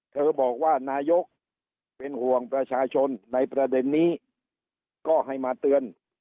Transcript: เธอบอกว่านายกเป็นห่วงประชาชนในประเด็นนี้ก็ให้มาเตือน